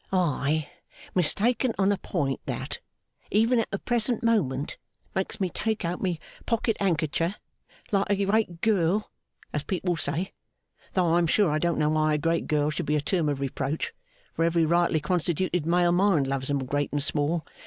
I mistaken on a point that, even at the present moment, makes me take out my pocket handkerchief like a great girl, as people say: though I am sure I don't know why a great girl should be a term of reproach, for every rightly constituted male mind loves 'em great and small.